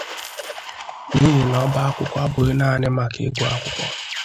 n'ihi na ọbá akwụkwọ abụghị naanị maka ịgụ akwụkwọ."